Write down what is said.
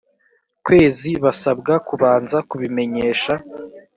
kwezi basabwa kubanza kubimenyesha